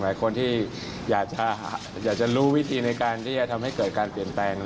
หลายคนที่อยากจะรู้วิธีในการที่จะทำให้เกิดการเปลี่ยนแปลง